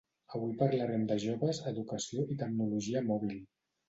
Avui parlarem de joves, educació i tecnologia mòbil.